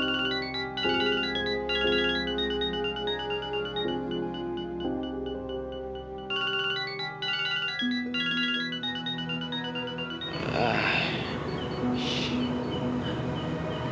malah aku kan pengen mikirin kamu terus